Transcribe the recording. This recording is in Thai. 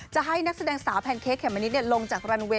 จะให้นักแสดงสาวแพนเค้กเมมะนิดลงจากรันเวย